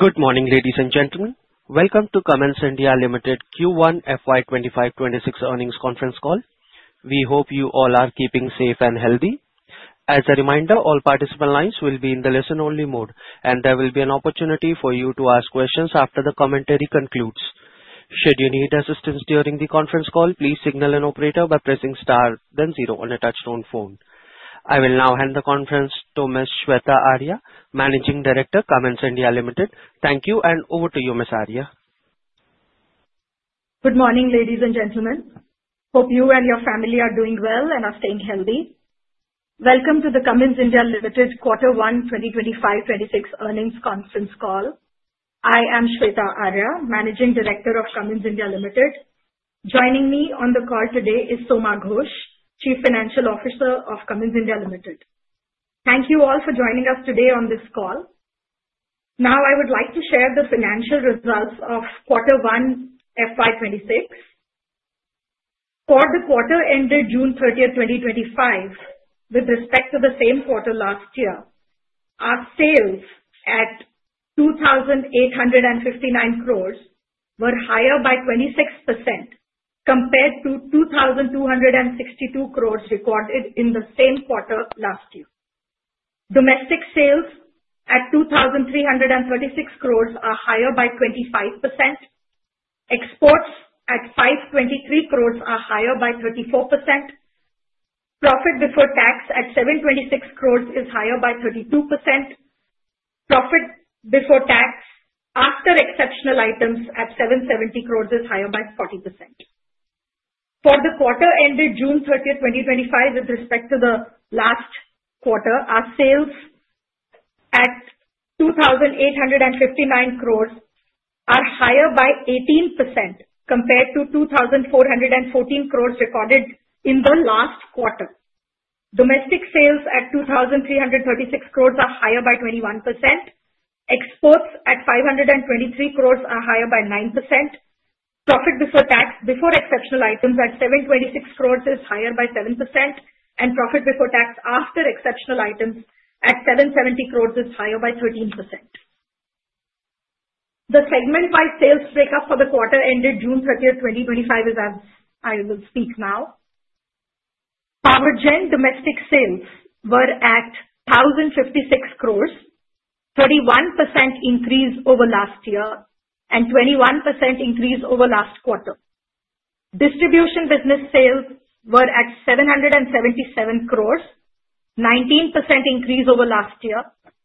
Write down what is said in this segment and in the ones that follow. Good morning, ladies and gentlemen. Welcome to Cummins India Limited Q1 FY 2025-2026 earnings conference call. We hope you all are keeping safe and healthy. As a reminder, all participant lines will be in the listen-only mode, and there will be an opportunity for you to ask questions after the commentary concludes. Should you need assistance during the conference call, please signal an operator by pressing star then zero on a touchtone phone. I will now hand the conference to Ms. Shveta Arya, Managing Director, Cummins India Limited. Thank you, and over to you, Ms. Arya. Good morning, ladies and gentlemen. Hope you and your family are doing well and are staying healthy. Welcome to the Cummins India Limited quarter one 2025-2026 earnings conference call. I am Shveta Arya, Managing Director of Cummins India Limited. Joining me on the call today is Soma Ghosh, Chief Financial Officer of Cummins India Limited. Thank you all for joining us today on this call. Now, I would like to share the financial results of quarter one FY 2026. For the quarter ended June 30, 2025, with respect to the same quarter last year, our sales at 2,859 crores were higher by 26% compared to 2,262 crores recorded in the same quarter last year. Domestic sales at 2,336 crores are higher by 25%. Exports at 523 crores are higher by 34%. Profit before tax at 726 crores is higher by 32%. Profit before tax after exceptional items at 770 crores is higher by 40%. For the quarter ended June 30, 2025, with respect to the last quarter, our sales at 2,859 crores are higher by 18% compared to 2,414 crores recorded in the last quarter. Domestic sales at 2,336 crores are higher by 21%. Exports at 523 crores are higher by 9%. Profit before tax before exceptional items at 726 crores is higher by 7%, and profit before tax after exceptional items at 770 crores is higher by 13%. The segment-wise sales breakup for the quarter ended June 30, 2025 is as I will speak now. Power Gen domestic sales were at 1,056 crores, 31% increase over last year, and 21% increase over last quarter. Distribution business sales were at 777 crores, 19% increase over last year,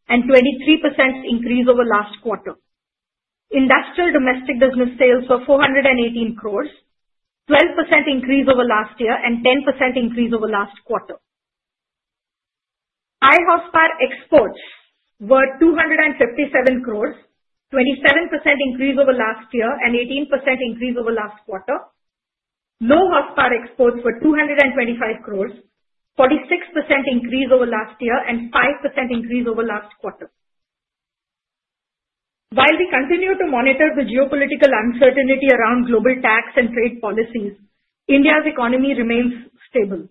and 23% increase over last quarter. Industrial domestic business sales were 418 crores, 12% increase over last year, and 10% increase over last quarter. High Horsepower exports were 257 crores, 27% increase over last year, and 18% increase over last quarter. Low Horsepower exports were 225 crores, 46% increase over last year, and 5% increase over last quarter. While we continue to monitor the geopolitical uncertainty around global tax and trade policies, India's economy remains stable.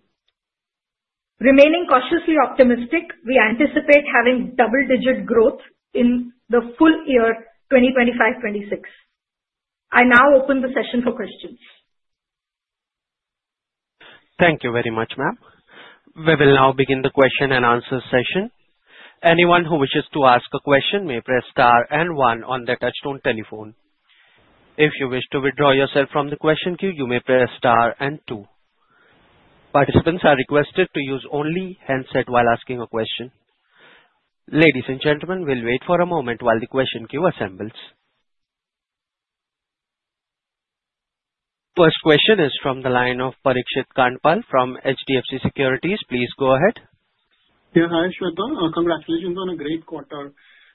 Remaining cautiously optimistic, we anticipate having double-digit growth in the full year 2025-2026. I now open the session for questions. Thank you very much, ma'am. We will now begin the question and answer session. Anyone who wishes to ask a question may press star one on their touchtone telephone. If you wish to withdraw yourself from the question queue, you may press star two. Participants are requested to use only handsets while asking a question. Ladies and gentlemen, we'll wait for a moment while the question queue assembles. First question is from the line of Parikshit Kandpal from HDFC Securities. Please go ahead. Yeah, hi, Shveta. Congratulations on a great quarter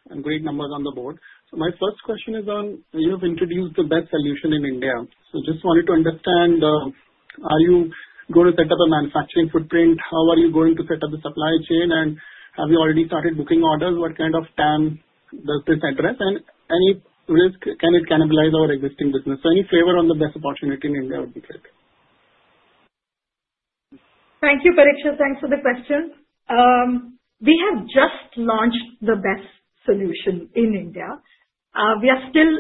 and great numbers on the board. My first question is on you have introduced the BESS solution in India. I just wanted to understand, are you going to set up a manufacturing footprint? How are you going to set up the supply chain? Have you already started booking orders? What kind of TAM does this address? Any risk, can it cannibalize our existing business? Any favor on the BESS opportunity in India would be great. Thank you, Parikshit. Thanks for the question. We have just launched the BESS solution in India. We are still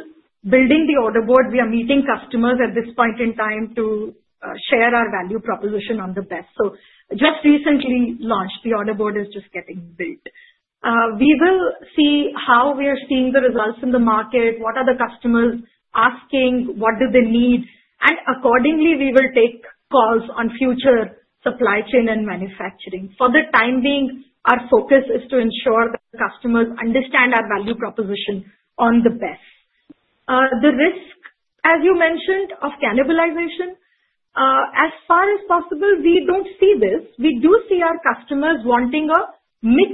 building the order board. We are meeting customers at this point in time to share our value proposition on the BESS. Just recently launched, the order board is just getting built. We will see how we are seeing the results in the market, what are the customers asking, what do they need, and accordingly, we will take calls on future supply chain and manufacturing. For the time being, our focus is to ensure that customers understand our value proposition on the BESS. The risk, as you mentioned, of cannibalization, as far as possible, we don't see this. We do see our customers wanting a mix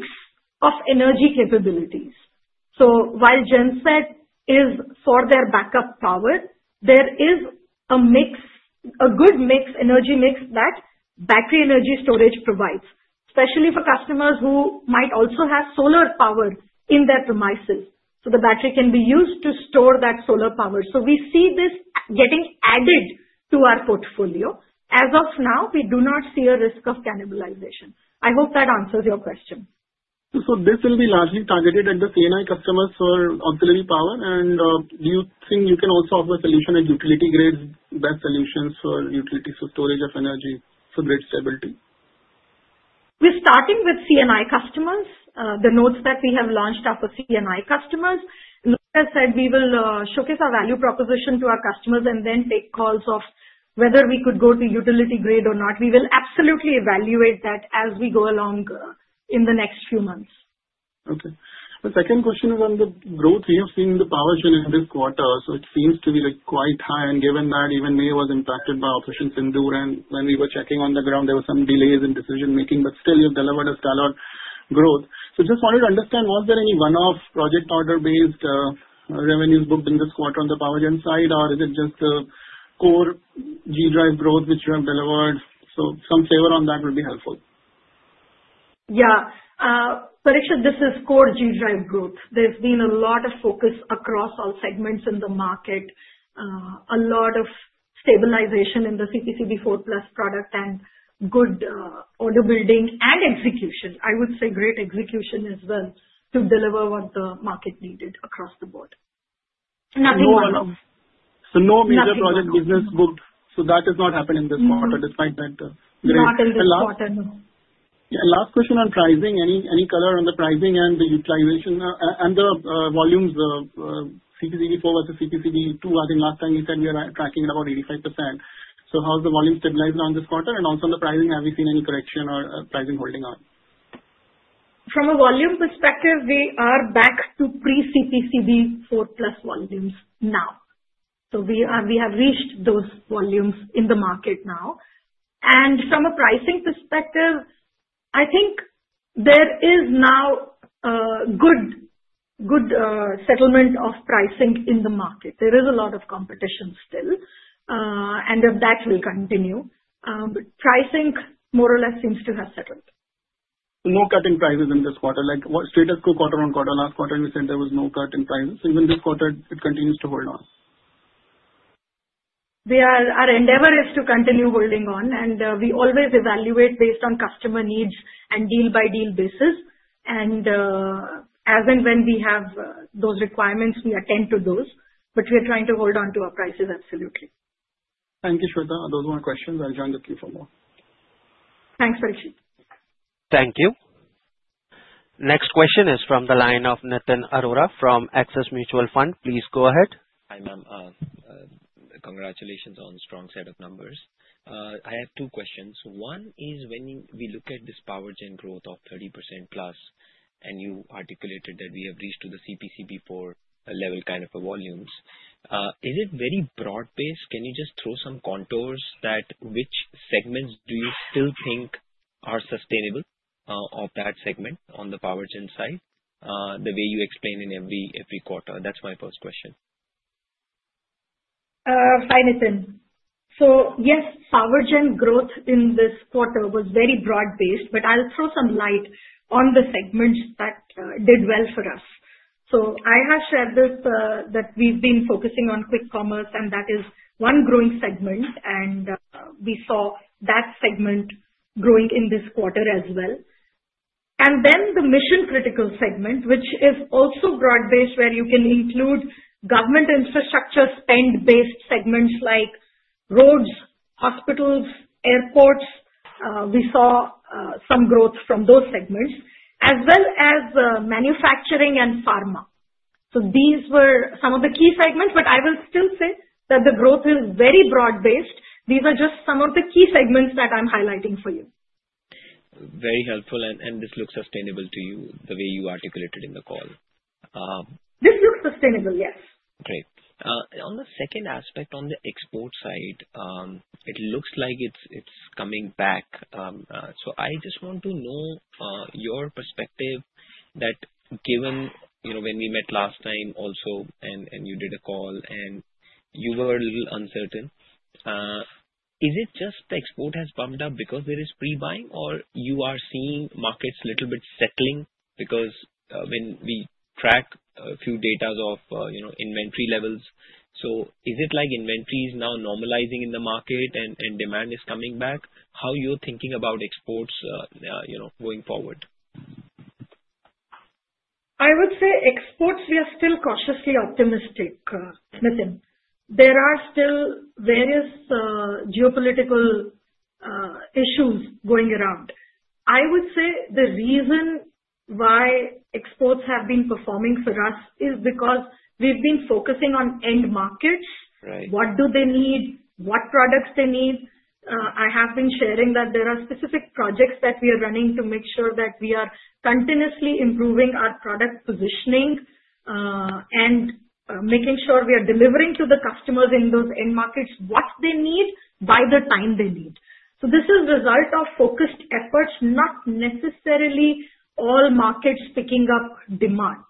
of energy capabilities. While generator sets are for their backup power, there is a good energy mix that Battery Energy Storage provide, especially for customers who might also have solar power in their premises. The battery can be used to store that solar power. We see this getting added to our portfolio. As of now, we do not see a risk of cannibalization. I hope that answers your question. This will be largely targeted at the C&I customers for auxiliary power, and do you think you can also offer a solution at utility grades? Best solutions for utility for storage of energy for grid stability. We're starting with C&I customers. The notes that we have launched are for C&I customers. As I said, we will showcase our value proposition to our customers and then take calls of whether we could go to utility grade or not. We will absolutely evaluate that as we go along in the next few months. Okay. A second question is on the growth. We have seen the Power Gen in this quarter, so it seems to be quite high. Given that even May was impacted by Operation Sindoor, and when we were checking on the ground, there were some delays in decision-making, but still you've delivered a stellar growth. I just wanted to understand, was there any one-off project order-based revenue boom in this quarter on the Power Gen side, or is it just the core G-Drive growth which you have delivered? Some favor on that would be helpful. Yeah. Parikshit, this is core G-Drive growth. There's been a lot of focus across all segments in the market. A lot of stabilization in the CPCB IV+ product and good order building and execution. I would say great execution as well to deliver what the market needed across the board. So, no major project business booked. That has not happened in this quarter, despite that the rate. No, not till this quarter. Yeah. Last question on pricing. Any color on the pricing and the utilization and the volumes? the CPCB IV versus CPCB II, I think last time you said we are tracking at about 85%. How's the volume stabilized on this quarter? Also, on the pricing, have you seen any correction or pricing holding on? From a volume perspective, we are back to pre-CPCB IV+ volumes now. We have reached those volumes in the market now. From a pricing perspective, I think there is now a good settlement of pricing in the market. There is a lot of competition still, and that will continue. Pricing more or less seems to have settled. No cut in prices in this quarter. Straight up, quarter on quarter, last quarter you said there was no cut in prices. Even this quarter, it continues to hold on. Our endeavor is to continue holding on, and we always evaluate based on customer needs and deal-by-deal basis. As and when we have those requirements, we attend to those, but we're trying to hold on to our prices absolutely. Thank you, Shveta. Those were my questions. I'll join the queue for more. Thanks, Parikshit. Thank you. Next question is from the line of Nitin Arora from Axis Mutual Fund. Please go ahead. Hi, ma'am. Congratulations on a strong set of numbers. I have two questions. One is when we look at this Power Gen growth of 30%+, and you articulated that we have reached to the CPCB IV level kind of volumes, is it very broad-based? Can you just throw some contours that which segments do you still think are sustainable of that segment on the Power Gen side the way you explain in every quarter? That's my first question. Hi, Nitin. Yes, Power Gen growth in this quarter was very broad-based, but I'll throw some light on the segments that did well for us. I have shared this that we've been focusing on quick commerce, and that is one growing segment, and we saw that segment growing in this quarter as well. The mission-critical segment, which is also broad-based, where you can include government infrastructure spend-based segments like roads, hospitals, airports. We saw some growth from those segments, as well as manufacturing and pharma. These were some of the key segments, but I will still say that the growth is very broad-based. These are just some of the key segments that I'm highlighting for you. Very helpful. This looks sustainable to you the way you articulated in the call. This looks sustainable, yes. Great. On the second aspect, on the export side, it looks like it's coming back. I just want to know your perspective that given you know when we met last time also and you did a call and you were a little uncertain, is it just the export has bumped up because there is pre-buying or you are seeing markets a little bit settling because when we track a few data of inventory levels, is it like inventory is now normalizing in the market and demand is coming back? How you're thinking about exports going forward? I would say exports, we are still cautiously optimistic, Nitin. There are still various geopolitical issues going around. I would say the reason why exports have been performing for us is because we've been focusing on end markets. What do they need? What products they need? I have been sharing that there are specific projects that we are running to make sure that we are continuously improving our product positioning and making sure we are delivering to the customers in those end markets what they need by the time they need. This is a result of focused efforts, not necessarily all markets picking up demand.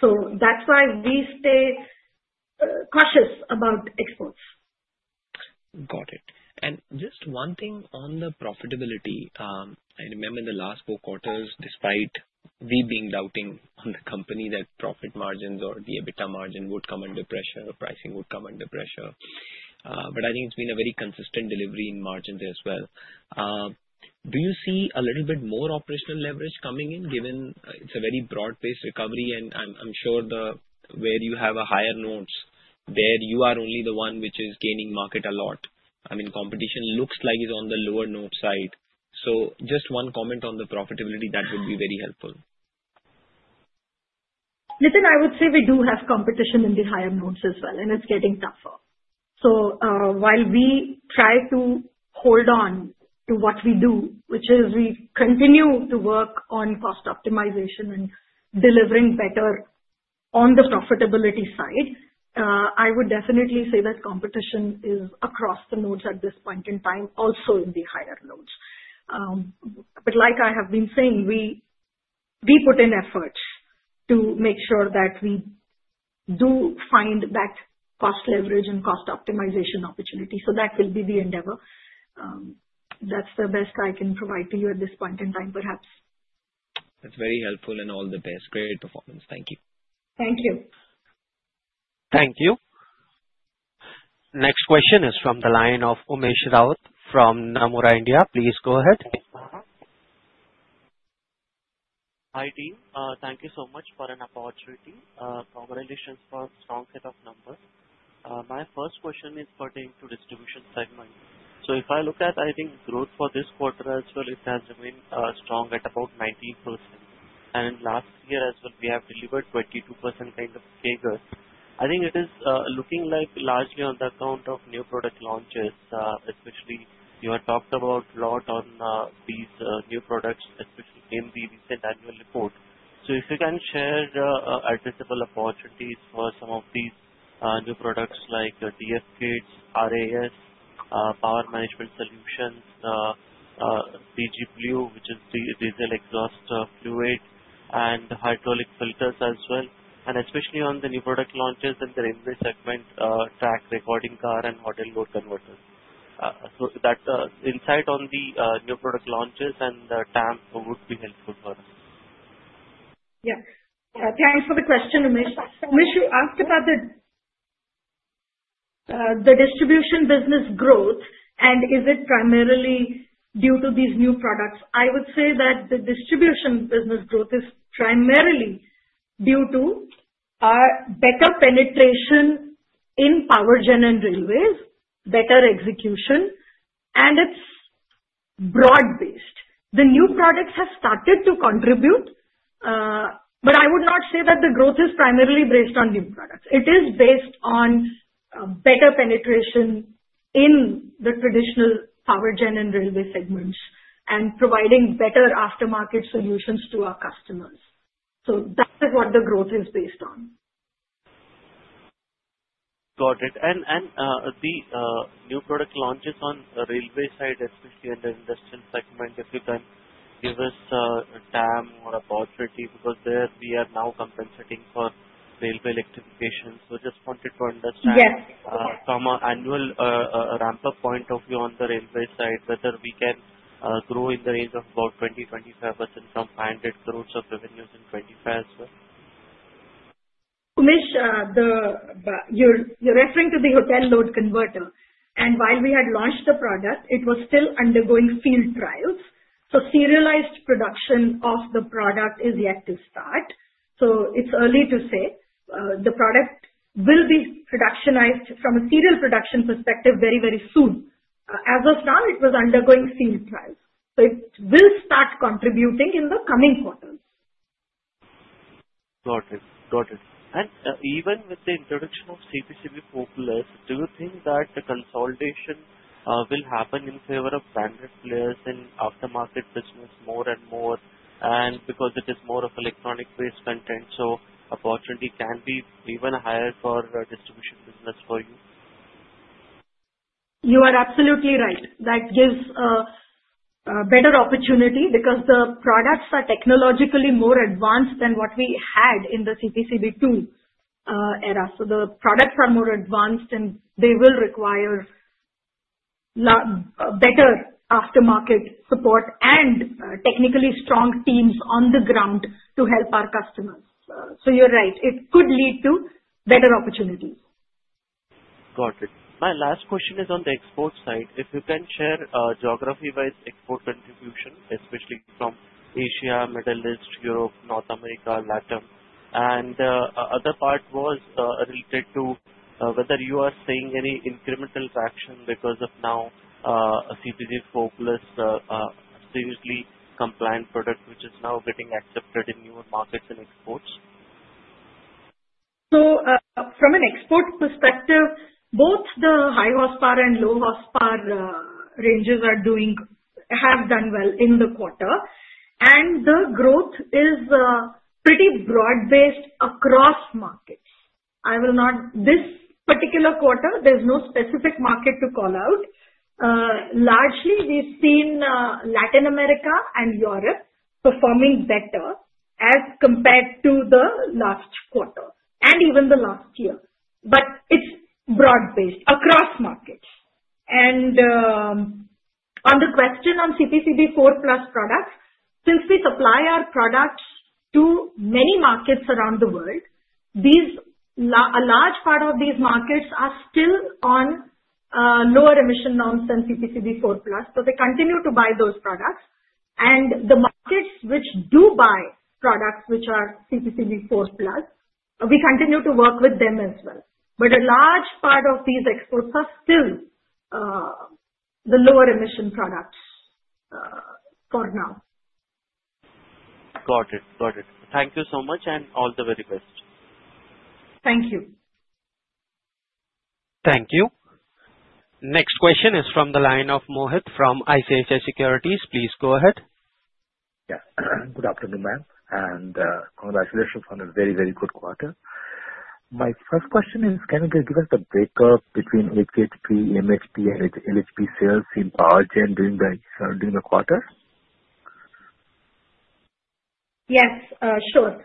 That's why we stay cautious about exports. Got it. Just one thing on the profitability. I remember in the last four quarters, despite we being doubting on the company that profit margins or the EBITDA margin would come under pressure, pricing would come under pressure, but I think it's been a very consistent delivery in margins as well. Do you see a little bit more operational leverage coming in given it's a very broad-based recovery? I'm sure where you have a higher note, there you are only the one which is gaining market a lot. I mean, competition looks like it's on the lower note side. Just one comment on the profitability, that would be very helpful. Nitin, I would say we do have competition in the higher notes as well, and it's getting tougher. While we try to hold on to what we do, which is we continue to work on cost optimization and delivering better on the profitability side, I would definitely say that competition is across the notes at this point in time, also in the higher notes. Like I have been saying, we put in efforts to make sure that we do find that cost leverage and cost optimization opportunity. That will be the endeavor. That's the best I can provide to you at this point in time, perhaps. That's very helpful and all the best. Great performance. Thank you. Thank you. Thank you. Next question is from the line of Umesh Raut from Nomura India. Please go ahead. Hi, team. Thank you so much for an opportunity. Congratulations for strong set of numbers. My first question is pertaining to distribution segment. If I look at, I think growth for this quarter as well, it has remained strong at about 19%. In last year as well, we have delivered 22% kind of CAGR. I think it is looking like largely on the account of new product launches, especially you have talked about a lot on these new products, especially in the recent annual report. If you can share adversarial opportunities for some of these new products like DF kits, RAS, power management solutions, DGBlue, which is diesel exhaust fluid, and hydraulic filters as well, and especially on the new product launches in the railway segment, track recording car and hotel load converter. That insight on the new product launches and the TAM would be helpful for us. Thanks for the question, Umesh. Umesh, you asked about the distribution business growth, and is it primarily due to these new products? I would say that the distribution business growth is primarily due to our better penetration in Power Gen and railways, better execution, and it's broad-based. The new products have started to contribute, but I would not say that the growth is primarily based on new products. It is based on better penetration in the traditional Power Gen and railway segments and providing better aftermarket solutions to our customers. That's what the growth is based on. Got it. The new product launches on the railway side, especially in the industrial segment, if you can give us a TAM or opportunity because we are now compensating for railway electrification. I just wanted to understand from an annual ramp-up point of view on the railway side, whether we can grow in the range of about 20%-25% from 500 crore of revenues in 2025 as well. Umesh, you're referring to the hotel load converters. While we had launched the product, it was still undergoing field trials. Serialized production of the product is yet to start. It is early to say. The product will be productionized from a serial production perspective very, very soon. As of now, it was undergoing field trials. It will start contributing in the coming quarter. Got it. Got it. Even with the introduction of CPCB IV+, do you think that the consolidation will happen in favor of standard players in aftermarket business more and more? Because it is more of electronic-based content, opportunity can be even higher for distribution business for you? You are absolutely right. That gives a better opportunity because the products are technologically more advanced than what we had in the CPCB II era. The products are more advanced, and they will require better aftermarket support and technically strong teams on the ground to help our customers. You're right, it could lead to better opportunities. Got it. My last question is on the export side. If you can share geography-wide export contribution, especially from Asia, Middle East, Europe, North America, Lat Am, and the other part was related to whether you are seeing any incremental traction because of now CPCB IV+ seriously compliant products, which is now getting accepted in newer markets and exports. From an export perspective, both the high horsepower and low horsepower ranges have done well in the quarter, and the growth is pretty broad-based across markets. I will not, this particular quarter, there's no specific market to call out. Largely, we've seen Latin America and Europe performing better as compared to the last quarter and even the last year. It's broad-based across markets. On the question on CPCB IV+ products, since we supply our products to many markets around the world, a large part of these markets are still on lower emission norms than CPCB IV+. They continue to buy those products. The markets which do buy products which are CPCB IV+, we continue to work with them as well. A large part of these exports are still the lower emission products for now. Got it. Thank you so much and all the very best. Thank you. Thank you. Next question is from the line of Mohit from ICICI Securities. Please go ahead. Good afternoon, ma'am. Congratulations on a very, very good quarter. My first question is, can you give us the breakup between HHP, MHP, and LHP sales in Power Gen during the quarter? Yes, sure.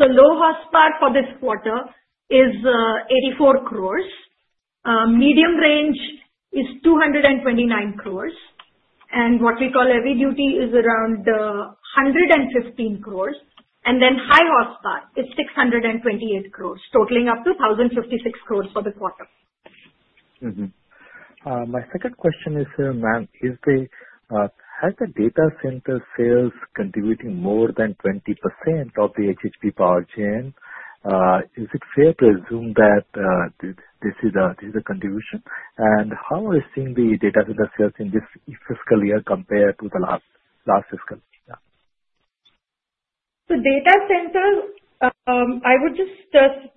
Low horsepower for this quarter is 84 crores. Medium range is 229 crores. What we call heavy duty is around 115 crores. High horsepower is 628 crores, totaling up to 1,056 crores for the quarter. My second question is, ma'am, has the data center sales contributing more than 20% of the HHP Power Gen? Is it fair to assume that this is a contribution? How are you seeing the data center sales in this fiscal year compared to the last fiscal year? Data center, I would just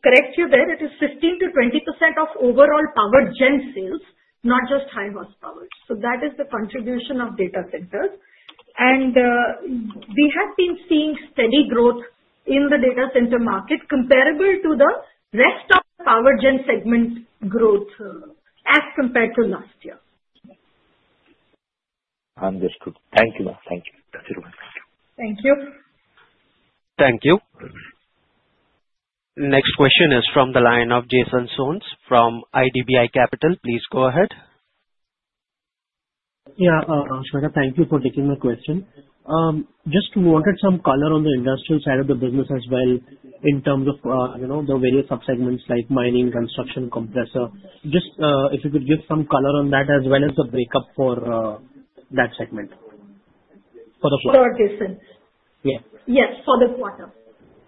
correct you there. It is 15%-20% of overall Power Gen sales, not just high horsepower. That is the contribution of data centers. We have been seeing steady growth in the data center market comparable to the rest of the Power Gen segment growth as compared to last year. Understood. Thank you, ma'am. Thank you. Thank you. Thank you. Next question is from the line of Jason Soans from IDBI Capital. Please go ahead. Yeah. Shveta, thank you for taking my question. I just wanted some color on the industrial side of the business as well in terms of, you know, the various subsegments like mining, construction, compressor. If you could give some color on that as well as the breakup for that segment for the quarter. For our distance? Yeah. Yes, for the quarter.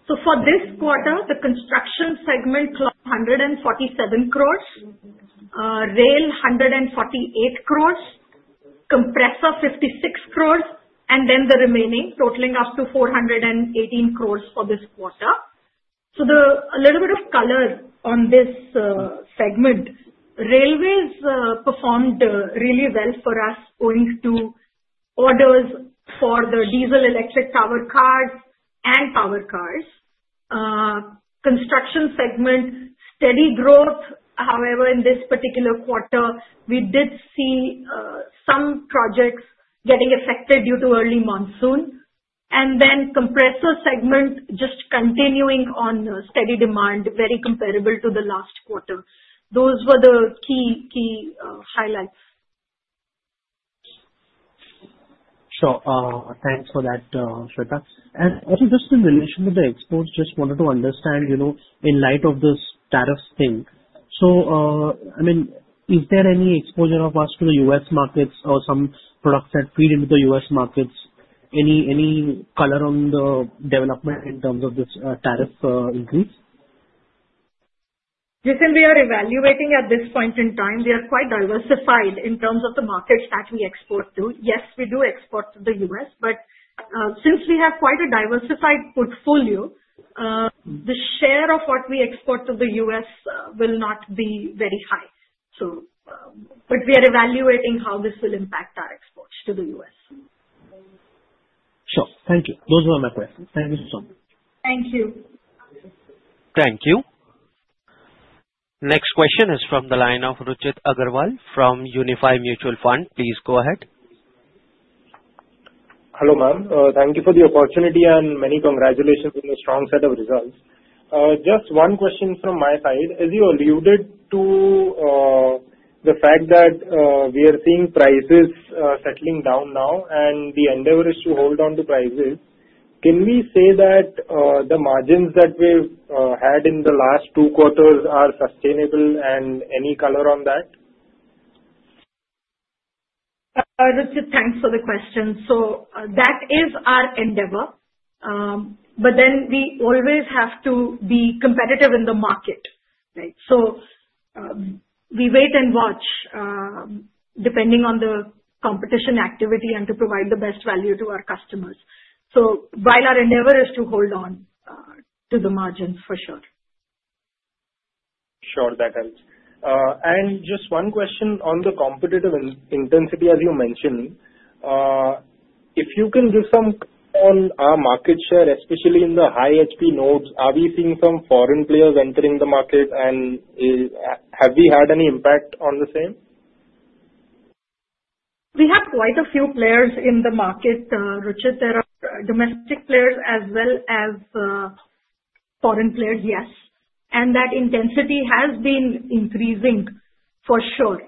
For this quarter, the Construction segment clocked 147 crore, rail 148 crore, compressor 56 crore, and then the remaining totaling up to 418 crore for this quarter. A little bit of color on this segment: railways performed really well for us, owing to orders for the diesel electric powered cars and power cars. Construction segment, steady growth. However, in this particular quarter, we did see some projects getting affected due to early monsoon. Compressor segments just continuing on steady demand, very comparable to the last quarter. Those were the key highlights. Sure. Thanks for that, Shveta. I think just in relation to the exports, I just wanted to understand, you know, in light of this tariff thing. Is there any exposure of us to the U.S. markets or some products that feed into the U.S. markets? Any color on the development in terms of this tariff increase? Jason, we are evaluating at this point in time. We are quite diversified in terms of the markets that we export to. Yes, we do export to the U.S., but since we have quite a diversified portfolio, the share of what we export to the U.S. will not be very high. We are evaluating how this will impact our exports to the U.S. Sure. Thank you. Those were my questions. Thank you so much. Thank you. Thank you. Next question is from the line of Ruchit Agrawal from Unifi Mutual Fund. Please go ahead. Hello, ma'am. Thank you for the opportunity and many congratulations on the strong set of results. Just one question from my side. As you alluded to the fact that we are seeing prices settling down now and the endeavor is to hold on to prices, can we say that the margins that we've had in the last two quarters are sustainable, and any color on that? Ruchit, thanks for the question. That is our endeavor. We always have to be competitive in the market, right? We wait and watch depending on the competition activity and provide the best value to our customers. Our endeavor is to hold on to the margins, for sure. Sure, that helps. Just one question on the competitive intensity, as you mentioned. If you can give some on our market share, especially in the high HP nodes, are we seeing some foreign players entering the market and have we had any impact on the same? We have quite a few players in the market, Ruchit. There are domestic players as well as foreign players, yes. That intensity has been increasing for sure.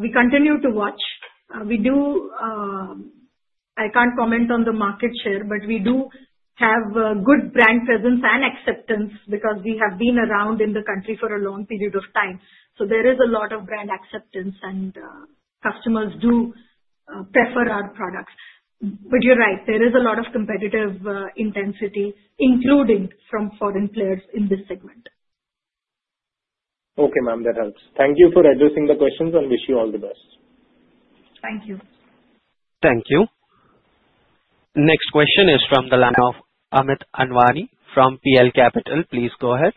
We continue to watch. I can't comment on the market share, but we do have a good brand presence and acceptance because we have been around in the country for a long period of time. There is a lot of brand acceptance and customers do prefer our products. You're right, there is a lot of competitive intensity, including from foreign players in this segment. Okay, ma'am, that helps. Thank you for addressing the questions and wish you all the best. Thank you. Thank you. Next question is from the line of Amit Anwani from PL Capital. Please go ahead.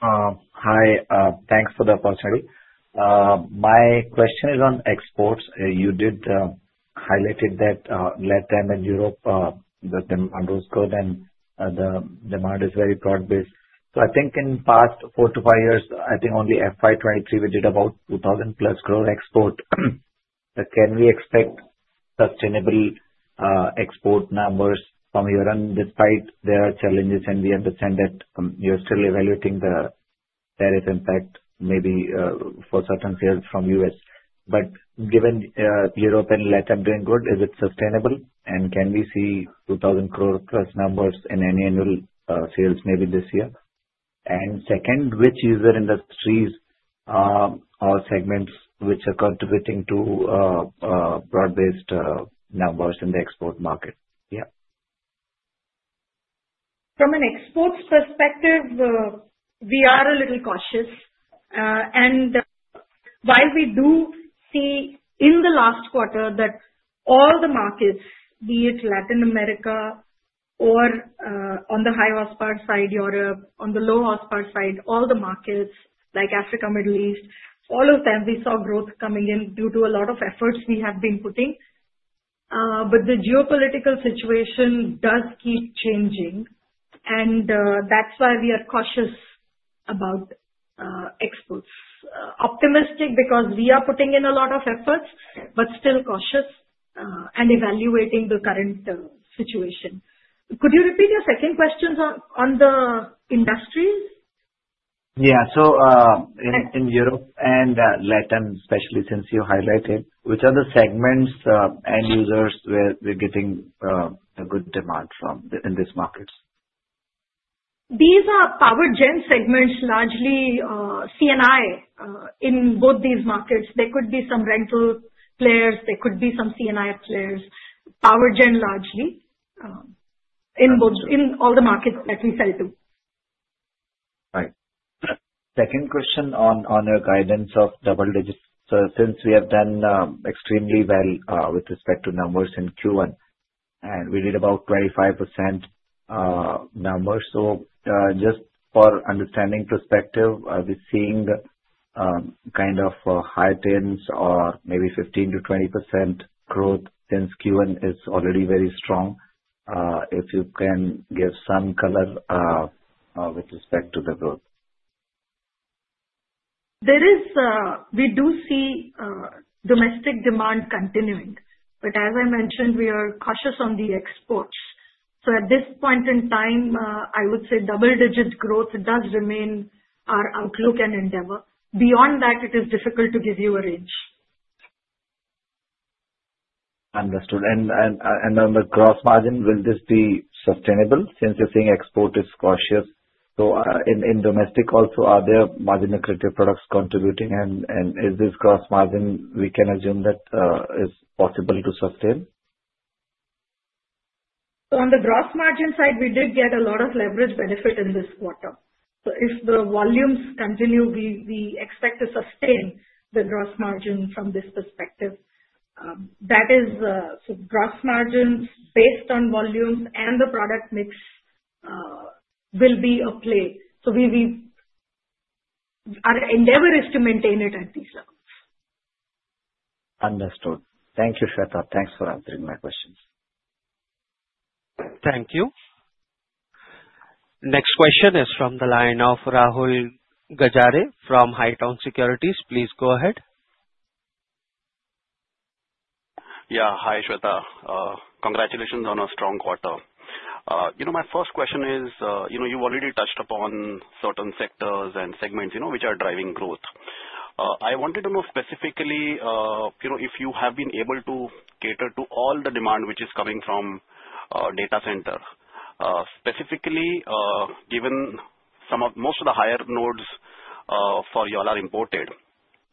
Hi. Thanks for the opportunity. My question is on exports. You did highlight that Latin America and Europe, the demand is very broad-based. I think in the past four to five years, I think in FY 2023, we did about 2,000+ crore export. Can we expect sustainable export numbers from Iran despite there are challenges? We understand that you're still evaluating the tariff impact maybe for certain sales from the U.S. Given Europe and Lat Am doing good, is it sustainable? Can we see 2,000 crore+ numbers in any annual sales maybe this year? Second, which user industries or segments are contributing to broad-based numbers in the export market? Yeah. From an exports perspective, we are a little cautious. While we do see in the last quarter that all the markets, be it Latin America or on the high horsepower side, Europe, on the low horsepower side, all the markets like Africa, Middle East, all of them, we saw growth coming in due to a lot of efforts we have been putting. The geopolitical situation does keep changing. That is why we are cautious about exports. Optimistic because we are putting in a lot of efforts, but still cautious and evaluating the current situation. Could you repeat your second question on the industries? Yeah. In Europe and Lat Am, especially since you highlighted, which are the segments and users where we're getting a good demand from in these markets? These are Power Gen segments, largely C&I in both these markets. There could be some rental players. There could be some C&I players. Power Gen largely in all the markets that we sell to. Right. Second question on a guidance of double-digit. Since we have done extremely well with respect to numbers in Q1, and we did about 25% numbers, just for understanding perspective, are we seeing kind of higher tends or maybe 15%-20% growth since Q1 is already very strong? If you can give some color with respect to the growth. We do see domestic demand continuing. As I mentioned, we are cautious on the exports. At this point in time, I would say double-digit growth does remain our outlook and endeavor. Beyond that, it is difficult to give you a range. Understood. On the gross margin, will this be sustainable since you're saying export is cautious? In domestic also, are there margin accretive products contributing? Is this gross margin we can assume that is possible to sustain? On the gross margin side, we did get a lot of leverage benefit in this quarter. If the volumes continue, we expect to sustain the gross margin from this perspective. That is, gross margins based on volumes and the product mix will be a play. Our endeavor is to maintain it at these levels. Understood. Thank you, Shveta. Thanks for answering my questions. Thank you. Next question is from the line of Rahul Gajare from Haitong Securities. Please go ahead. Yeah. Hi, Shveta. Congratulations on a strong quarter. My first question is, you've already touched upon certain sectors and segments which are driving growth. I wanted to know specifically if you have been able to cater to all the demand which is coming from a data center, specifically given some of most of the higher nodes for you all are imported.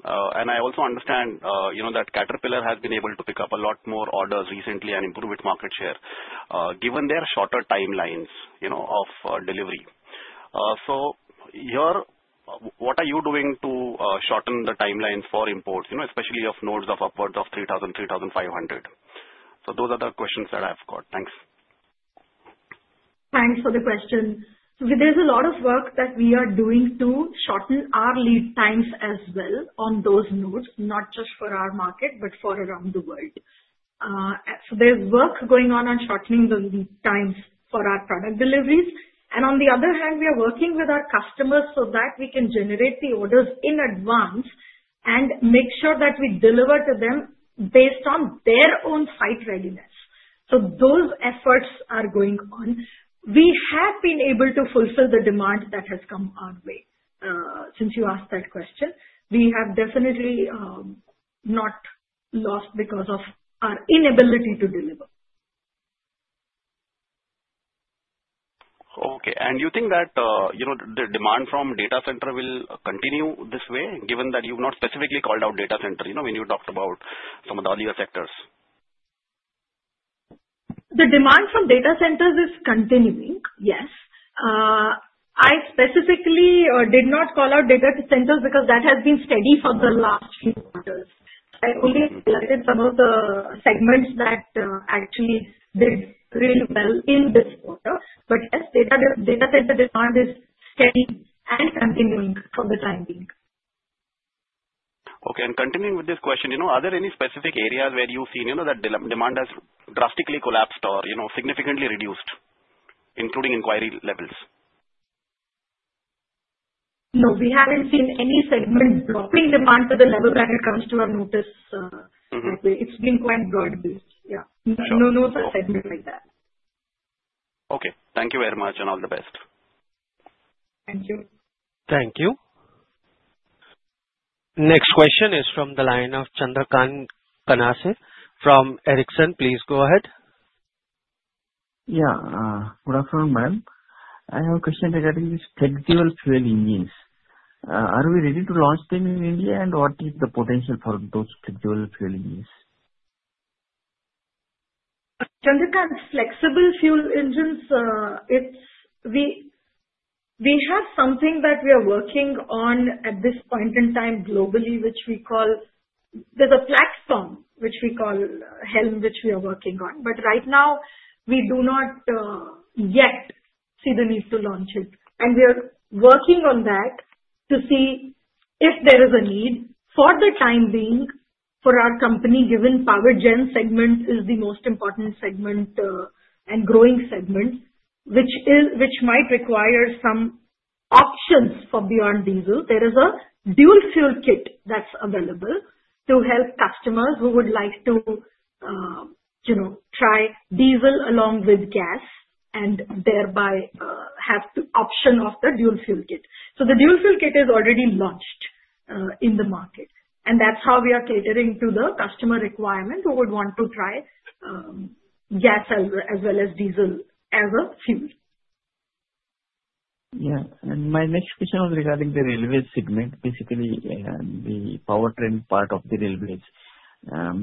I also understand that Caterpillar has been able to pick up a lot more orders recently and improve its market share, given their shorter timelines of delivery. What are you doing to shorten the timelines for imports, especially of nodes of upwards of 3,000, 3,500? Those are the questions that I've got. Thanks. Thanks for the question. There's a lot of work that we are doing to shorten our lead times as well on those nodes, not just for our market, but for around the world. There's work going on on shortening the lead times for our product deliveries. On the other hand, we are working with our customers so that we can generate the orders in advance and make sure that we deliver to them based on their own site readiness. Those efforts are going on. We have been able to fulfill the demand that has come our way. Since you asked that question, we have definitely not lost because of our inability to deliver. Okay. Do you think that the demand from data centers will continue this way, given that you've not specifically called out data centers when you talked about some of the other sectors? The demand from data centers is continuing, yes. I specifically did not call out data centers because that has been steady for the last few quarters. I only selected some of the segments that actually did really well in this quarter. Yes, data center demand is steady and continuing for the time being. Okay. Continuing with this question, are there any specific areas where you've seen that demand has drastically collapsed or significantly reduced, including inquiry levels? No, we haven't seen any segment dropping demand to the level that it comes to our notice. It's been quite broad-based. No segment like that. Okay, thank you very much and all the best. Thank you. Thank you. Next question is from the line of Chandrakant Kanase from Ericsson. Please go ahead. Good afternoon, ma'am. I have a question regarding these flexible fuel engines. Are we ready to launch them in India, and what is the potential for those flexible fuel engines? Chandrakant, the flexible fuel engines, we have something that we are working on at this point in time globally, which we call there's a platform which we call HELM, which we are working on. Right now, we do not yet see the need to launch it. We are working on that to see if there is a need. For the time being, for our company, given Power Gen segment is the most important segment and growing segment, which might require some options for beyond diesel. There is a dual fuel kit that's available to help customers who would like to try diesel along with gas and thereby have the option of the dual fuel kit. The dual fuel kit is already launched in the market. That's how we are catering to the customer requirement who would want to try gas as well as diesel as a fuel. My next question was regarding the Railway segment, basically, and the power trend part of the railways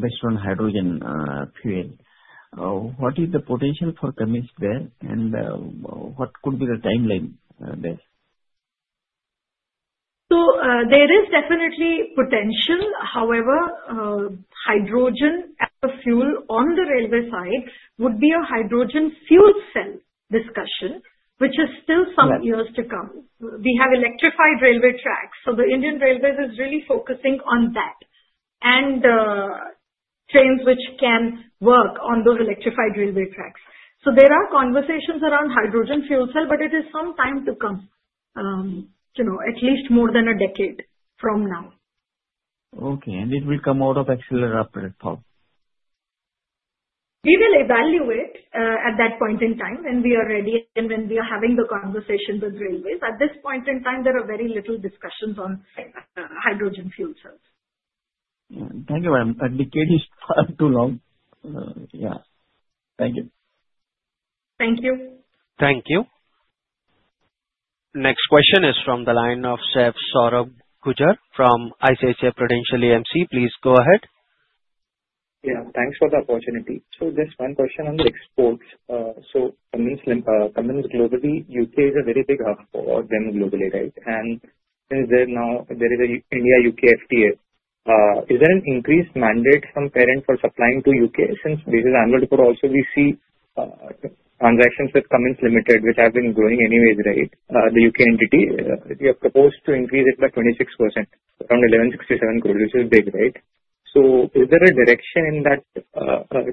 based on hydrogen fuel. What is the potential for Cummins there and what could be the timeline there? There is definitely potential. However, hydrogen as a fuel on the railway side would be a hydrogen fuel cell discussion, which is still some years to come. We have electrified railway tracks. The Indian Railways is really focusing on that and the trains which can work on those electrified railway tracks. There are conversations around hydrogen fuel cell, but it is some time to come, at least more than a decade from now. Okay. Will it come out of Accelera? We will evaluate at that point in time when we are ready and when we are having the conversations with railways. At this point in time, there are very little discussions on hydrogen fuel cells. Thank you, ma'am. Thank you. Thank you. Thank you. Next question is from the line of Saif Sohrab Gujar from ICICI Prudential AMC. Please go ahead. Thanks for the opportunity. Just one question on the exports. Cummins globally, U.K. is a very big hub for them globally, right? Since there now is an India U.K. FTA, is there an increased mandate from parents for supplying to U.K. since this is annual report? Also, we see transactions with Cummins Limited, which have been growing anyways, right? The U.K. entity, you have proposed to increase it by 26%, around 1,167 crore, which is big, right? Is there a direction in that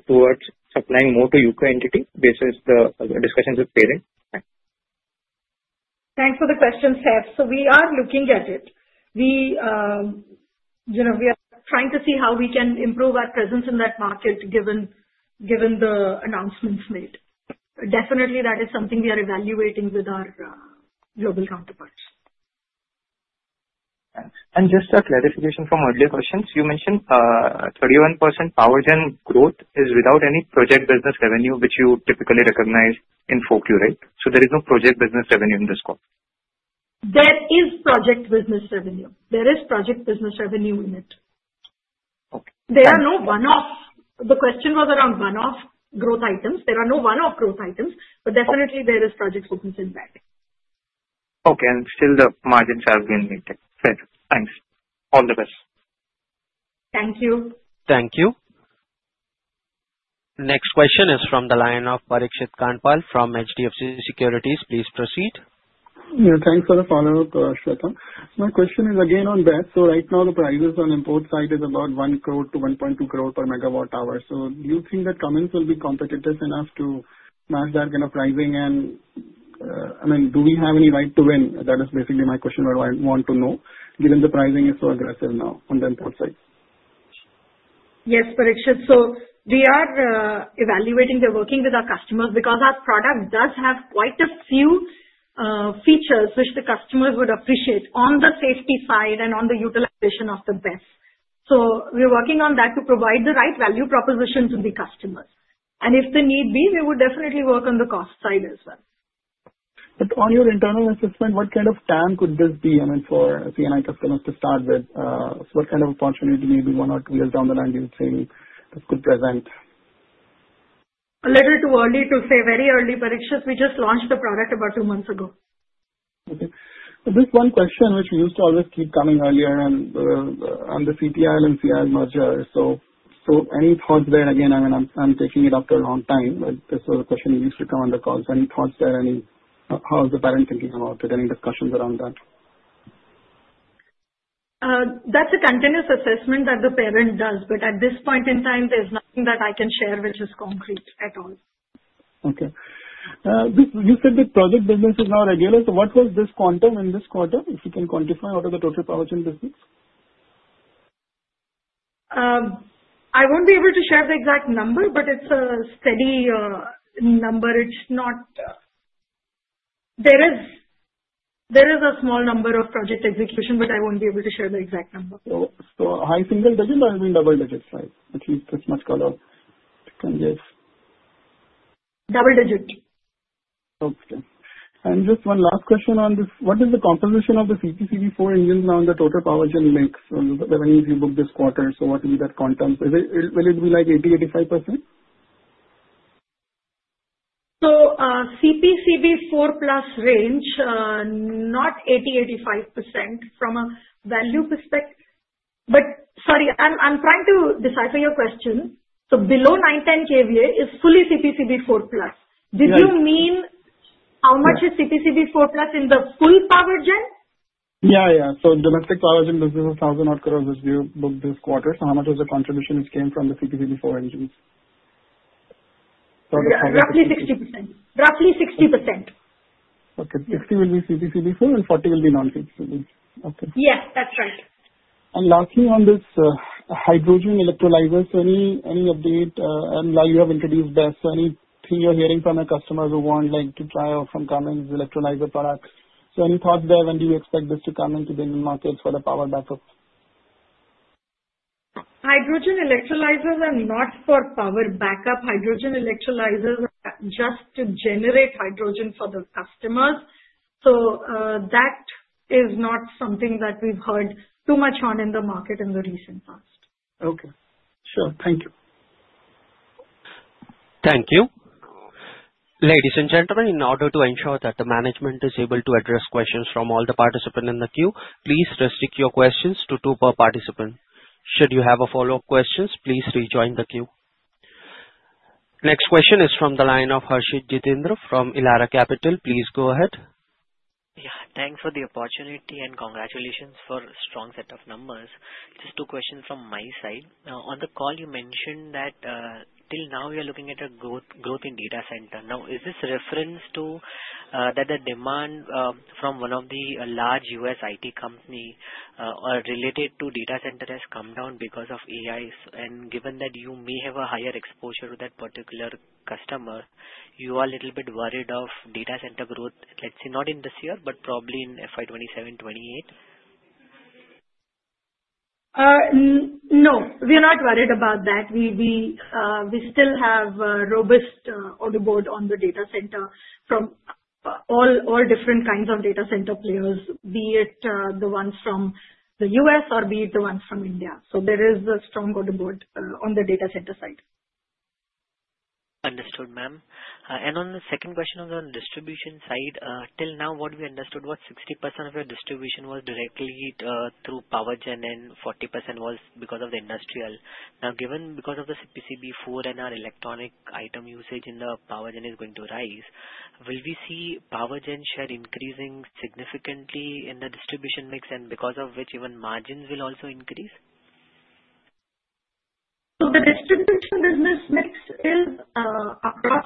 towards supplying more to U.K. entity versus the discussions with parents? Thanks for the question, Saif We are looking at it. We are trying to see how we can improve our presence in that market given the announcements made. Definitely, that is something we are evaluating with our global counterparts. Just a clarification from earlier questions, you mentioned 31% Power Gen growth is without any project business revenue, which you typically recognize in 4Q, right? There is no project business revenue in this quarter. There is project business revenue in it. The question was around one-off growth items. There are no one-off growth items, but definitely, there is project business in there. Okay, the margins have been lifted. Thanks. All the best. Thank you. Thank you. Next question is from the line of Parikshit Kandpal from HDFC Securities. Please proceed. Thanks for the follow-up, Shveta. My question is again on BESS. Right now, the prices on the import side are about 1 crore-1.2 crore per megawatt hour. Do you think that Cummins India Limited will be competitive enough to match that kind of pricing? I mean, do we have any right to win? That is basically my question that I want to know, given the pricing is so aggressive now on the import side. Yes, Parikshit. We are evaluating. We're working with our customers because our product does have quite a few features which the customers would appreciate on the safety side and on the utilization of the BESS. We're working on that to provide the right value proposition to the customers. If the need be, we would definitely work on the cost side as well. On your internal assessment, what kind of TAM could this be? I mean, for C&l customers to start with, what kind of opportunity maybe one or two years down the line do you think could present? A little too early to say, very early, Parikshit. We just launched the product about two months ago. Okay. Just one question which we used to always keep coming earlier on the CTIL and CIL merger. Any thoughts there? I'm taking it after a long time. This was a question we used to come on the call. Any thoughts there? Any how the parent can think about it? Any discussions around that? That's a continuous assessment that the parent does. At this point in time, there's nothing that I can share which is concrete at all. Okay. You said that project business is now regular. What was this quantum in this quarter? If you can quantify out of the total Power Gen business? I won't be able to share the exact number, but it's a steady number. There is a small number of project execution, but I won't be able to share the exact number. So high single digit or even double digits side? That much color if you can give. Double digit. Okay. Just one last question on this. What is the composition of the CPCB IV engines now in the total Power Gen mix? The revenues you booked this quarter, what is that quantum? Will it be like 80%, 85%? CPCB IV+ range, not 80%, 85% from a value perspective. I'm trying to decipher your question. Below 910 kVA is fully CPCB IV+. Did you mean how much is CPCB IV+ in the full Power Gen? Yeah. Domestic Power Gen business is 1,000 odd crores which you booked this quarter. How much was the contribution which came from the CPCB IV engines? Roughly 60%. Roughly 60%. Okay. 60% will be CPCB IV and 40% will be non-CPCB. Yeah, that's right. Lastly, on this hydrogen electrolyzers, any update? Now you have introduced this, anything you're hearing from our customers who want to try out Cummins electrolyzer products? Any thoughts there? When do you expect this to come into the markets for the power backup? Hydrogen electrolyzers are not for power backup. Hydrogen electrolyzers are just to generate hydrogen for the customers. That is not something that we've heard too much on in the market in the recent past. Okay, sure. Thank you. Thank you. Ladies and gentlemen, in order to ensure that the management is able to address questions from all the participants in the queue, please restrict your questions to two per participant. Should you have a follow-up question, please rejoin the queue. Next question is from the line of [Harshit Jitendra] from Elara Capital. Please go ahead. Thanks for the opportunity and congratulations for a strong set of numbers. Just two questions from my side. On the call, you mentioned that till now you're looking at a growth in data center. Is this reference to that the demand from one of the large U.S. IT companies related to data centers has come down because of AI? Given that you may have a higher exposure to that particular customer, you are a little bit worried of data center growth, let's say not in this year, but probably in FY 2027-FY 2028? No, we are not worried about that. We still have a robust order board on the data center from all different kinds of data center players, be it the ones from the U.S. or be it the ones from India. There is a strong order board on the data center side. Understood, ma'am. On the second question on the distribution side, till now, what we understood was 60% of your distribution was directly through Power Gen and 40% was because of the industrial. Now, given because of the CPCB IV and our electronic item usage in the Power Gen is going to rise, will we see Power Gen share increasing significantly in the distribution mix, and because of which even margins will also increase? The distribution is just mixed across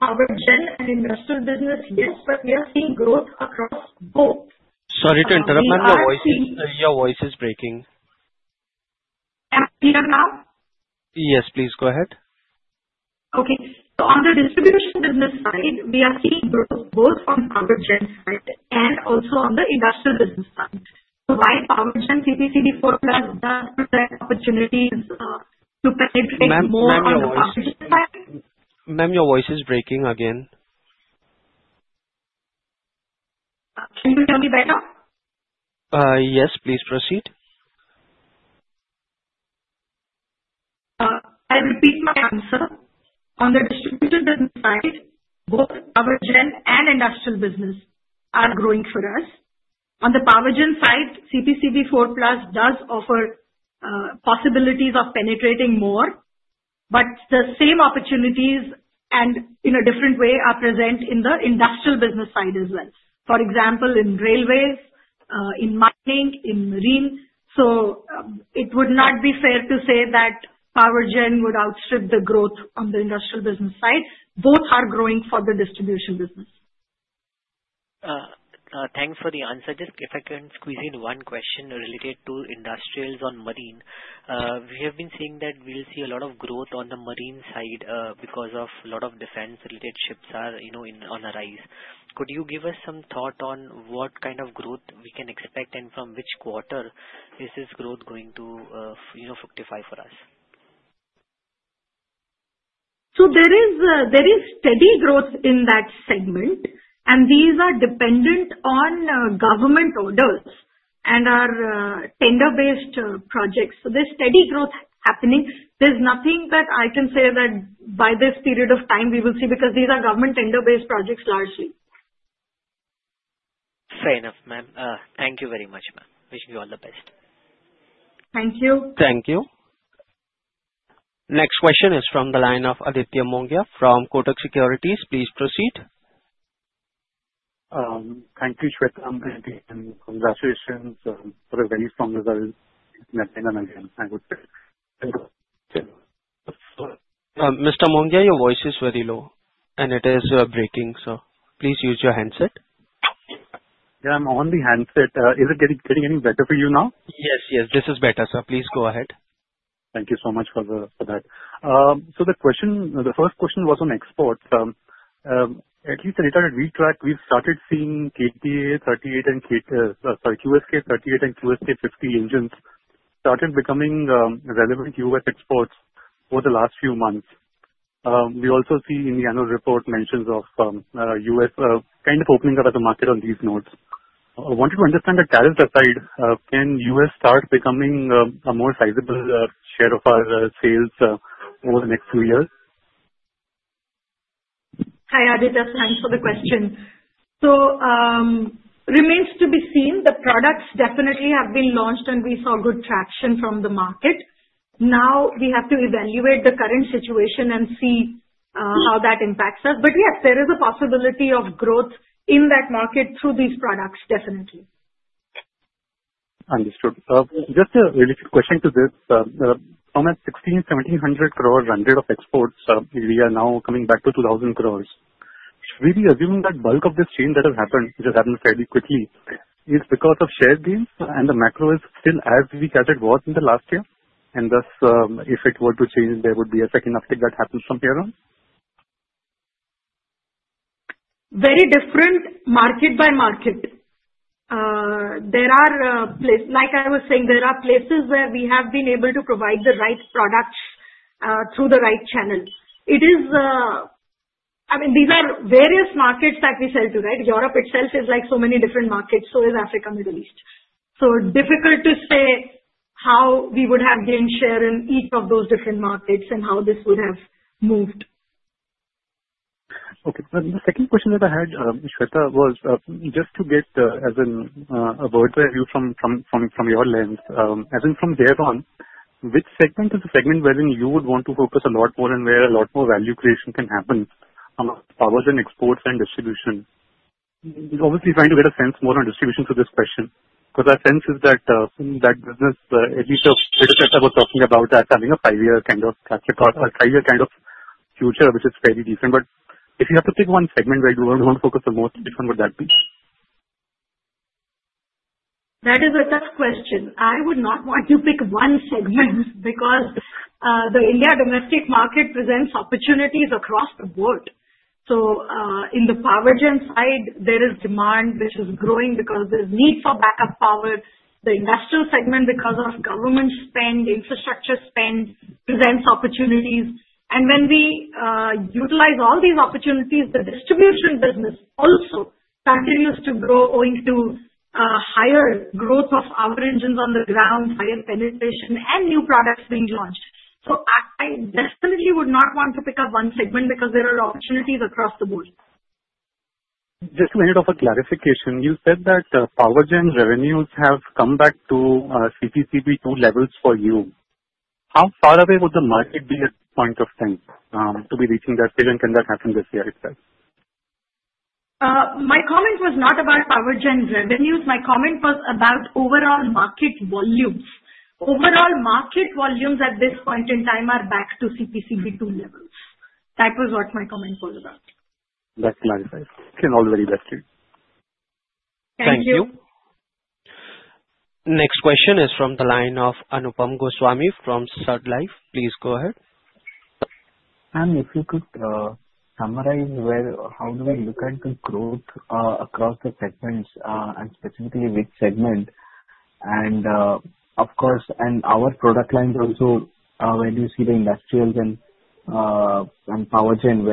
Power Gen and Industrial business, yes, but we are seeing growth across both. Sorry to interrupt, ma'am. Your voice is breaking. Yeah. Yes, please go ahead. Okay. On the distribution business side, we are seeing growth both on Power Gen's side and also on the industrial business side. By Power Gen, CPCB IV+, that opportunity to present more. Ma'am, your voice is breaking again. Can you hear me better? Yes, please proceed. I repeat my answer. On the distribution business side, both Power Gen and Industrial business are growing for us. On the Power Gen side, CPCB IV+ does offer possibilities of penetrating more, but the same opportunities, and in a different way, are present in the industrial business side as well. For example, in railways, in marketing, in marine. It would not be fair to say that Power Gen would outstrip the growth on the Industrial business side. Both are growing for the distribution business. Thanks for the answer. If I can squeeze in one question related to Industrials on Marine, we have been seeing that we'll see a lot of growth on the marine side because a lot of defense-related ships are on the rise. Could you give us some thought on what kind of growth we can expect and from which quarter is this growth going to fructify for us? There is steady growth in that segment, and these are dependent on government orders and are tender-based projects. There is steady growth happening. There is nothing that I can say that by this period of time we will see because these are government tender-based projects largely. Fair enough, ma'am. Thank you very much, ma'am. Wishing you all the best. Thank you. Thank you. Next question is from the line of Aditya Mongia from Kotak Securities. Please proceed. Thank you, Shveta. I'm visiting from the associations for a very strong result in Latin America. Mr. Mongia, your voice is very low, and it is breaking, sir. Please use your handset. I'm on the handset. Is it getting any better for you now? Yes, yes. This is better, sir. Please go ahead. Thank you so much for that. The question, the first question was on exports. At least later in retrospect, we've started seeing QSK38 and QSK50 engines started becoming relevant to U.S. exports over the last few months. We also see in the annual report mentions of U.S. kind of opening up as a market on these nodes. I wanted to understand the tariff side. Can U.S. start becoming a more sizable share of our sales over the next few years? Hi, Aditya. Thanks for the question. It remains to be seen. The products definitely have been launched, and we saw good traction from the market. Now we have to evaluate the current situation and see how that impacts us. Yes, there is a possibility of growth in that market through these products, definitely. Understood. Just a related question to this. On that 1,600, 1,700 crore of exports, we are now coming back to 2,000 crores. Should we be assuming that bulk of this change that has happened, which has happened fairly quickly, is because of share gains and the macro is still as we gathered water in the last year? If it were to change, there would be a second uptake that happens from here on? Very different market by market. Like I was saying, there are places where we have been able to provide the right products through the right channel. These are various markets that we sell to, right? Europe itself is like so many different markets. Africa, Middle East. It's difficult to say how we would have gained share in each of those different markets and how this would have moved. Okay. The second question that I had, Shveta, was just to get as in a bird's eye view from your lens. As in from here on, which segment is the segment wherein you would want to focus a lot more and where a lot more value creation can happen amongst powers and exports and distribution? We're obviously trying to get a sense more on distribution for this question because our sense is that that business, at least as we were talking about, that having a five-year kind of track record or a five-year kind of future, which is fairly decent. If you have to pick one segment where you want to focus the most, which one would that be? That is a tough question. I would not want to pick one segment because the India domestic market presents opportunities across the board. In the Power Gen side, there is demand, which is growing because there's need for backup power. The industrial segment, because of government spend, infrastructure spend, presents opportunities. When we utilize all these opportunities, the distribution business also continues to grow owing to a higher growth of our engines on the ground, higher penetration, and new products being launched. I definitely would not want to pick up one segment because there are opportunities across the board. Just a minute of clarification. You said that Power Gen's revenues have come back to pre-CPCB II levels for you. How far away would the market be at this point of time to be reaching that vision? Can that happen this year itself? My comment was not about Power Gen's revenues. My comment was about overall market volumes. Overall market volumes at this point in time are back to CPCB II levels. That was what my comment was about. That's clarified. All the very best too. Thank you. Thank you. Next question is from the line of Anupam Goswami from SUD Life. Please go ahead. Ma'am, if you could summarize where, how do we look at the growth across the segments and specifically which segment? Of course, and our product lines also, when you see the industrials and Power Gen,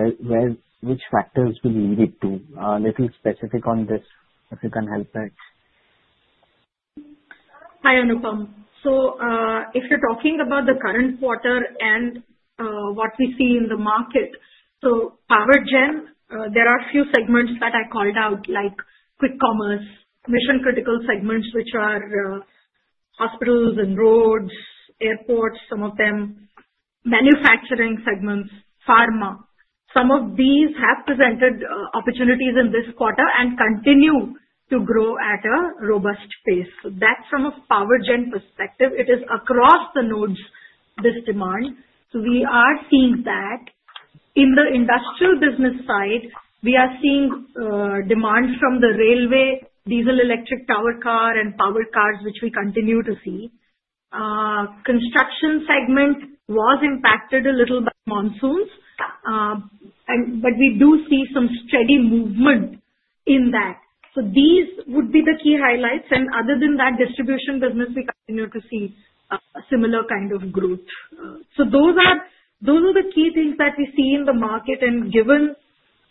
which factors will lead it to? A little specific on this, if you can help us. Hi, Anupam. If you're talking about the current quarter and what we see in the market, Power Gen, there are a few segments that I called out, like quick commerce, mission-critical segments, which are hospitals and roads, airports, some of them, manufacturing segments, pharma. Some of these have presented opportunities in this quarter and continue to grow at a robust pace. That's from a Power Gen perspective. It is across the nodes, this demand. We are seeing that in the industrial business side, we are seeing demand from the railway, diesel electric power car, and power cars, which we continue to see. The construction segment was impacted a little by monsoons, but we do see some steady movement in that. These would be the key highlights. Other than that, distribution business, we continue to see a similar kind of growth. Those are the key things that we see in the market. Given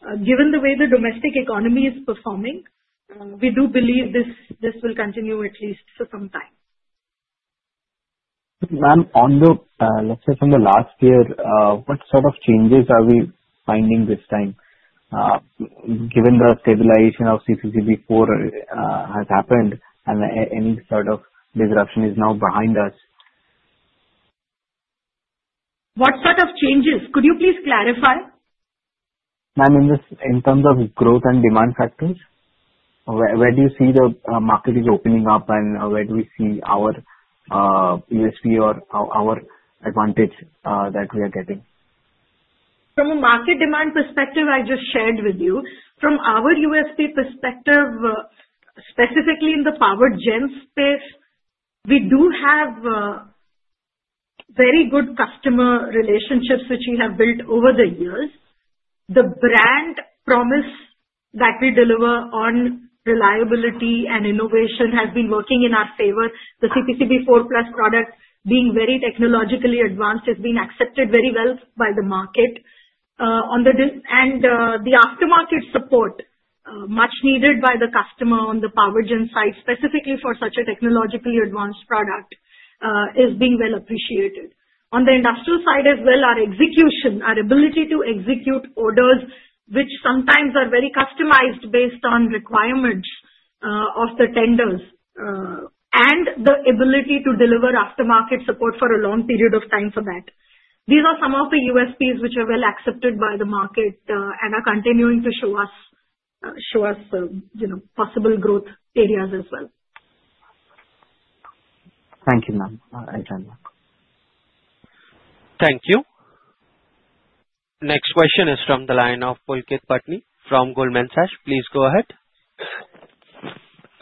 the way the domestic economy is performing, we do believe this will continue at least for some time. Ma'am, let's say from the last year, what sort of changes are we finding this time given the stabilization of CPCB IV has happened and any sort of disruption is now behind us? What sort of changes? Could you please clarify? Ma'am, in terms of growth and demand factors, where do you see the market is opening up, and where do we see our USP or our advantage that we are getting? From a market demand perspective, I just shared with you. From our USP perspective, specifically in the Power Gen space, we do have very good customer relationships, which we have built over the years. The brand promise that we deliver on reliability and innovation has been working in our favor. the CPCB IV+ products being very technologically advanced has been accepted very well by the market. The aftermarket support, much needed by the customer on the Power Gen side, specifically for such a technologically advanced product, is being well appreciated. On the industrial side as well, our execution, our ability to execute orders, which sometimes are very customized based on requirements of the tenders, and the ability to deliver aftermarket support for a long period of time for that. These are some of the USPs which are well accepted by the market and are continuing to show us possible growth areas as well. Thank you, ma'am. Thank you. Next question is from the line of Pulkit Patni from Goldman Sachs. Please go ahead. Thank you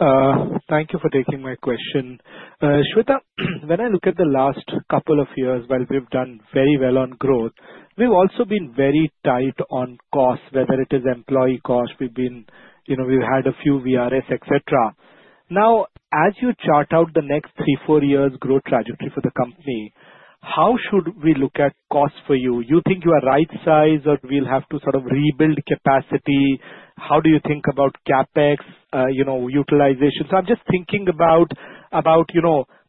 for taking my question. Shveta, when I look at the last couple of years, while we've done very well on growth, we've also been very tight on costs, whether it is employee cost. We've had a few VRS, etc. Now, as you chart out the next three, four years' growth trajectory for the company, how should we look at cost for you? You think you are right size or we'll have to sort of rebuild capacity? How do you think about CapEx, utilization? I'm just thinking about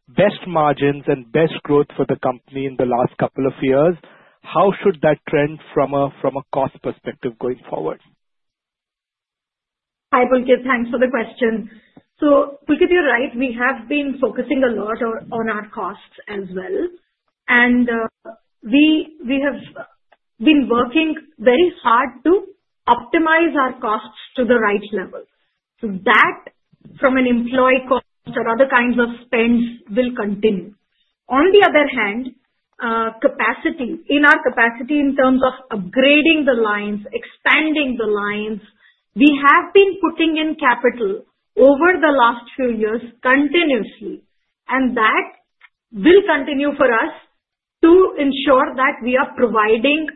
best margins and best growth for the company in the last couple of years. How should that trend from a cost perspective going forward? Hi, Pulkit. Thanks for the question. Pulkit, you're right. We have been focusing a lot on our costs as well. We have been working very hard to optimize our costs to the right level. That, from an employee cost or other kinds of spend, will continue. On the other hand, in our capacity in terms of upgrading the lines, expanding the lines, we have been putting in capital over the last few years continuously. That will continue for us to ensure that we are providing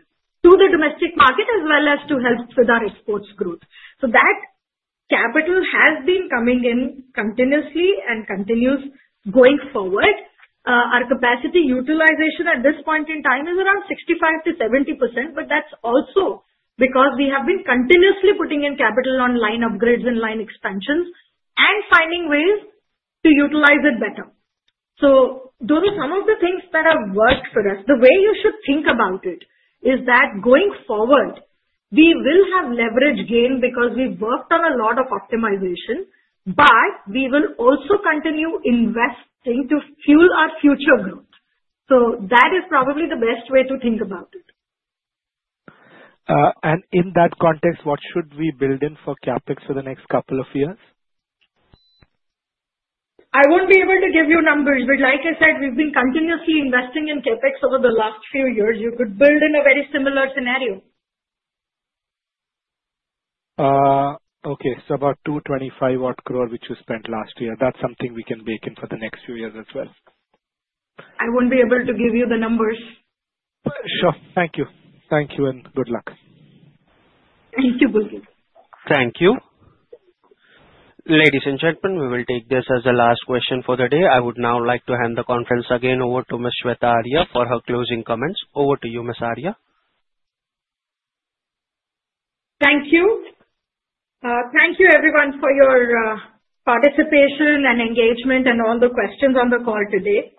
to the domestic market as well as to help with our exports growth. That capital has been coming in continuously and continues going forward. Our capacity utilization at this point in time is around 65%-70%, but that's also because we have been continuously putting in capital on line upgrades and line expansions and finding ways to utilize it better. Those are some of the things that have worked for us. The way you should think about it is that going forward, we will have leverage gain because we worked on a lot of optimization, but we will also continue investing to fuel our future growth. That is probably the best way to think about it. What should we build in for CapEx for the next couple of years? I won't be able to give you numbers, but like I said, we've been continuously investing in CapEx over the last few years. You could build in a very similar scenario. Okay. About 225 odd crore, which you spent last year, that's something we can bake in for the next few years as well. I won't be able to give you the numbers. Sure. Thank you. Thank you and good luck. Thank you, Pulkit. Thank you. Ladies and gentlemen, we will take this as the last question for the day. I would now like to hand the conference again over to Ms. Shveta Arya for her closing comments. Over to you, Ms. Arya. Thank you. Thank you, everyone, for your participation and engagement and all the questions on the call today.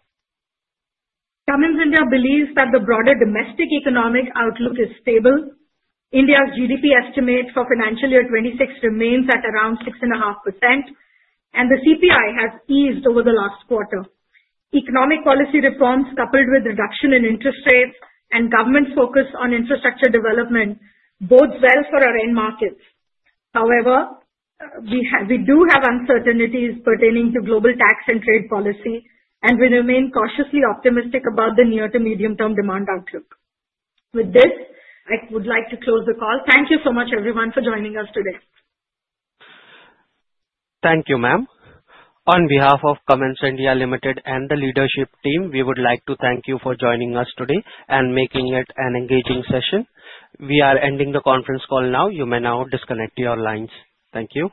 Cummins India Limited believes that the broader domestic economic outlook is stable. India's GDP estimate for financial year 2026 remains at around 6.5%, and the CPI has eased over the last quarter. Economic policy reforms, coupled with reduction in interest rates and government's focus on infrastructure development, bodes well for our end markets. However, we do have uncertainties pertaining to global tax and trade policy, and we remain cautiously optimistic about the near to medium-term demand outlook. With this, I would like to close the call. Thank you so much, everyone, for joining us today. Thank you, ma'am. On behalf of Cummins India Limited and the leadership team, we would like to thank you for joining us today and making it an engaging session. We are ending the conference call now. You may now disconnect your lines. Thank you.